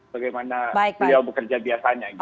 bagaimana dia bekerja biasanya gitu